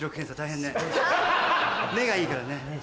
目がいいからね。